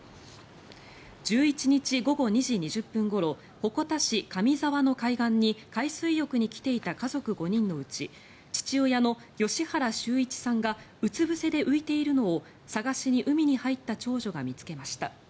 １１日午後２時２０分ごろ鉾田市上沢の海岸に海水浴に来ていた家族５人のうち父親の吉原修一さんがうつぶせで浮いているのを捜しに海に入った長女が見つけました。